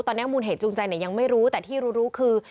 ตอนนี้มูลเหตุจูงใจยังไม่รู้แต่ที่รู้คือ